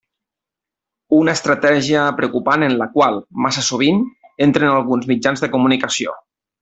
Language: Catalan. Una estratègia preocupant en la qual, massa sovint, entren alguns mitjans de comunicació.